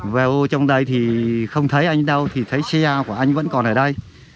vo trong đây thì không thấy anh đâu thì thấy xe của anh vẫn còn ở đây